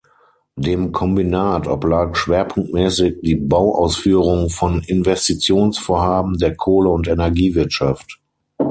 Dem Kombinat oblag schwerpunktmäßig die Bauausführung von Investitionsvorhaben der Kohle- und Energiewirtschaft.